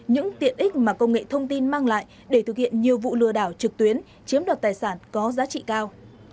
những tiện ích mà công nghệ thông tin mang lại để thực hiện nhiều vụ lừa đảo trực tuyến chiếm đoạt tài sản có giá trị cao